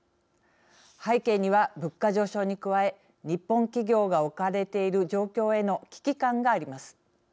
背景には、物価上昇に加え日本企業が置かれている状況への危機感があります。